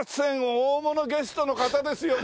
大物ゲストの方ですよね？